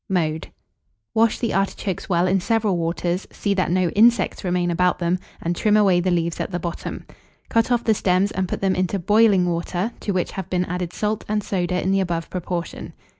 ] Mode. Wash the artichokes well in several waters; see that no insects remain about them, and trim away the leaves at the bottom. Cut off the stems and put them into boiling water, to which have been added salt and soda in the above proportion.